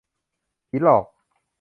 ผีหลอก !